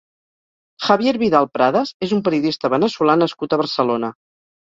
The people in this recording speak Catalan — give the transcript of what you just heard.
Javier Vidal Pradas és un periodista veneçolà nascut a Barcelona.